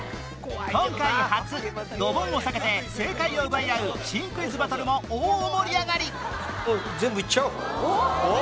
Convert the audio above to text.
今回初ドボンを避けて正解を奪い合う新クイズバトルも大盛り上がり！